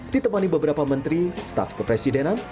ditemani beberapa menteri staf kepresidenan